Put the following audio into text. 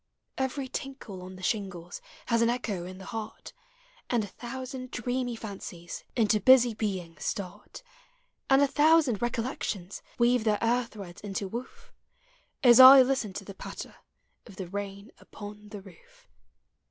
Every tinkle on the shingles Has an echo in the heart; And a thousand dreamy fancies Into busy being start, And a thousand recollections Weave their air threads into woof, As I listen to the patter Of the rain upon the roof.